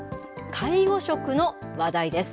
介護食の話題です。